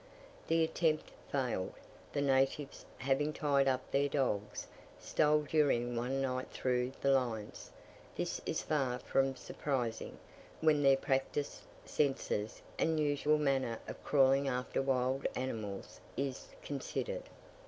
The attempt failed; the natives, having tied up their dogs, stole during one night through the lines. This is far from surprising, when their practised senses, and usual manner of crawling after wild animals is considered.